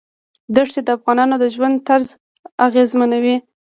دښتې د افغانانو د ژوند طرز اغېزمنوي.